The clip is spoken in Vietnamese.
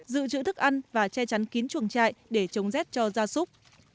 giữ chữ thức ăn và che chắn kín chuồng trại để chống rét cho gia súc